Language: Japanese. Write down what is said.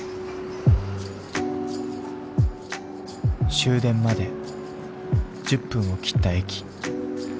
終電まで１０分を切った駅。